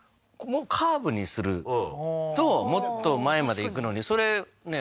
カーブにするともっと前まで行くのにそれねえ